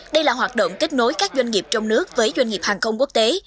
đây là hoạt động kết nối các doanh nghiệp trong nước với doanh nghiệp hàng không quốc tế